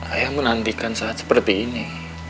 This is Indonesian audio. ayah menantikan saat seperti ini